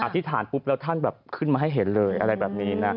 ธิษฐานปุ๊บแล้วท่านแบบขึ้นมาให้เห็นเลยอะไรแบบนี้นะ